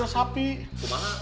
harus saya banget pak